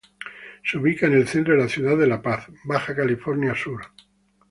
Se ubica en el centro de la ciudad de La Paz, Baja California Sur.